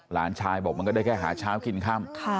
หลานชายบอกมันก็ได้แค่หาเช้ากินค่ำ